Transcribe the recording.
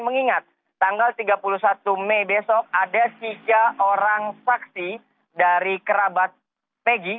mengingat tanggal tiga puluh satu mei besok ada tiga orang saksi dari kerabat megi